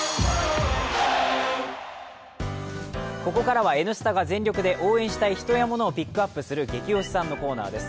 ここからは「Ｎスタ」が全力で応援したい人やものをピックアップする「ゲキ推しさん」のコーナーです。